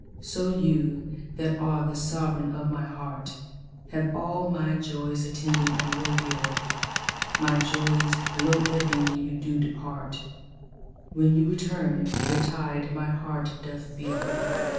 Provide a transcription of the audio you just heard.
So you that are the sovereign of my heart Have all my joys attending on your will; My joys low ebbing when you do depart, When you return their tide my heart doth fill.